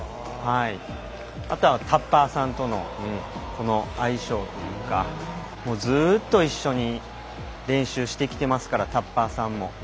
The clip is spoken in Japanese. あとはタッパーさんとの相性というかずっと一緒に練習してきていますからタッパーさんも。